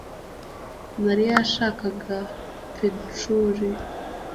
Mariya yashakaga pedicure